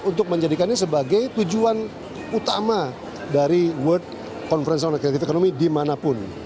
untuk menjadikannya sebagai tujuan utama dari world conference on creative economy dimanapun